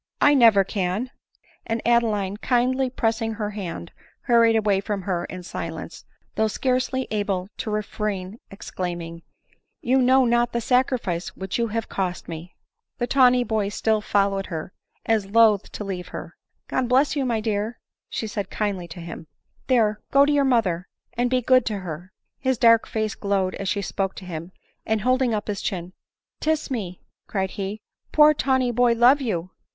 I never can;" and Adeline, kindly pressing her hand, hurried away from her in silence, though scarcely able to refrain exclaiming, " You know not the sacrifice which you have cost me !" The tawny boy still followed her, as loth to leave her. " God bless you, my dear !" said she kindly to him ;" there, go to your mother, and be good to her." His dark face glowed as she spoke to him, and holding up his chin, " Tiss me !" cried he, " poor tawny boy love you